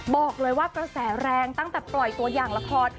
บอกเลยว่ากระแสแรงตั้งแต่ปล่อยตัวอย่างละคร